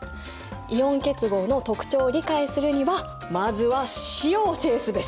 イオン結合の特徴を理解するにはまずは塩を制すべし！